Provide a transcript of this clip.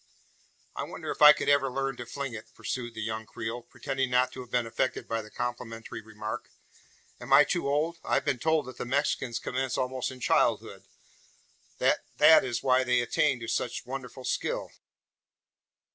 "I wonder if I could ever learn to fling it?" pursued the young Creole, pretending not to have been affected by the complimentary remark. "Am I too old? I've been told that the Mexicans commence almost in childhood; that that is why they attain to such wonderful skill?"